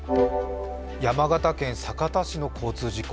山形県酒田市の交通事故。